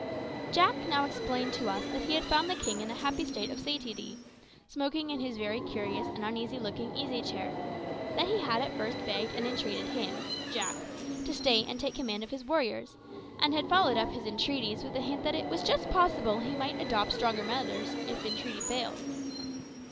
Jack now explained to us that he had found the king in a happy state of satiety, smoking in his very curious and uneasy looking easy chair; that he had at first begged and entreated him (Jack) to stay and take command of his warriors, and had followed up his entreaties with a hint that it was just possible he might adopt stronger measures if entreaty failed.